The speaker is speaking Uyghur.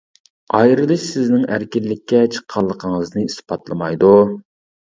ئايرىلىش سىزنىڭ ئەركىنلىككە چىققانلىقىڭىزنى ئىسپاتلىمايدۇ.